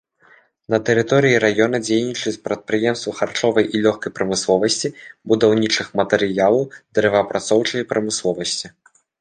На тэрыторыі раёна дзейнічаюць прадпрыемствы харчовай і лёгкай прамысловасці, будаўнічых матэрыялаў, дрэваапрацоўчай прамысловасці.